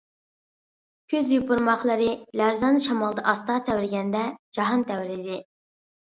كۈز يوپۇرماقلىرى لەرزان شامالدا ئاستا تەۋرىگەندە جاھان تەۋرىدى.